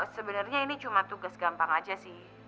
sebenarnya ini cuma tugas gampang aja sih